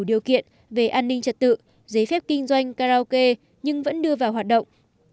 điều kiện về an ninh trật tự giấy phép kinh doanh karaoke nhưng vẫn đưa vào hoạt động